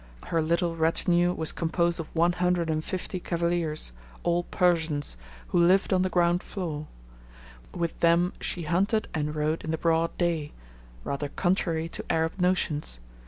Her little retinue was composed of one hundred and fifty cavaliers, all Persians, who lived on the ground floor; with them she hunted and rode in the broad day rather contrary to Arab notions.